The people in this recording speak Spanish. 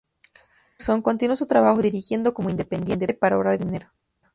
Anderson continuó su trabajo dirigiendo como independiente para ahorrar dinero.